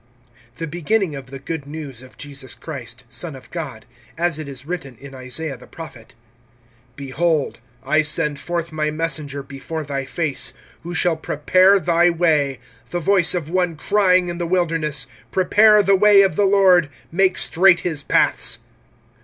THE beginning of the good news of Jesus Christ, Son of God, (2)as it is written in Isaiah the prophet: Behold, I send forth my messenger before thy face, who shall prepare thy way; (3)the voice of one crying in the wilderness, Prepare the way of the Lord, make straight his paths.